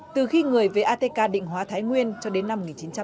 từ khi người về atk định hóa thái nguyên cho đến năm một nghìn chín trăm năm mươi bốn